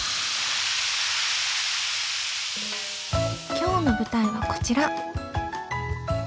今日の舞台はこちら。